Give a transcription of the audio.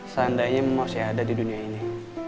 seandainya memang masih ada di dunia ini